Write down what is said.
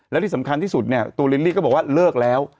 และที่สำคัญที่สุดเนี่ยตัวลิลลี่ก็บอกว่าเลิกแล้ว